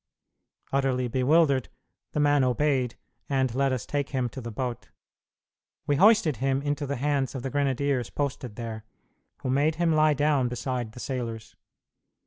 Utterly bewildered, the man obeyed, and let us take him to the boat; we hoisted him into the hands of the grenadiers posted there, who made him lie down beside the sailors.